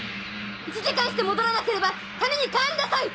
１時間して戻らなければ谷に帰りなさい！